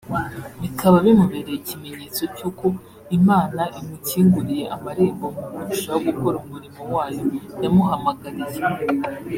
bikaba bimubereye ikimenyetso cy'uko Imana imukinguriye amarembo mu kurushaho gukora umurimo wayo yamuhamagariye